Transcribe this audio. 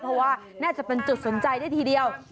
เพราะว่าน่าจะเป็นจุดสนใจได้ทีเดียว